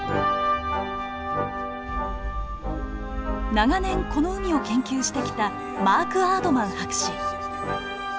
長年この海を研究してきたマーク・アードマン博士。